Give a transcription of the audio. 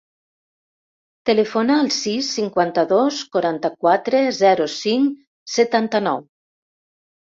Telefona al sis, cinquanta-dos, quaranta-quatre, zero, cinc, setanta-nou.